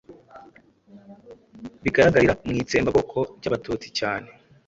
bigaragarira mw'itsembabwoko ry'Abatutsi cyane